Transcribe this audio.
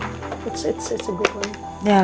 itu hal yang bagus